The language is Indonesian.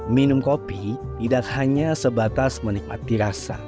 minum kopi tidak hanya sebatas menikmati rasa